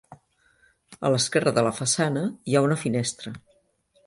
A l'esquerra de la façana hi ha una finestra.